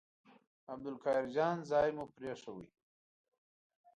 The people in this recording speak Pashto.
عبدالقاهر جان ځای مو پرېښود.